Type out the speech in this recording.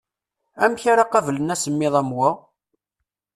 Amek ara qablen asemmiḍ am wa?